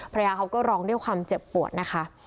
ภรรยาเขาก็ร้องด้วยความเจ็บปวดนะคะ